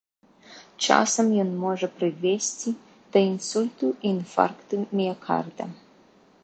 Часам ён можа прывесці да інсульту і інфаркту міякарда.